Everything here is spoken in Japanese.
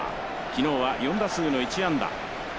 昨日は４打数の１安打。